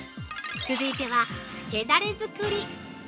続いては漬けダレ作り。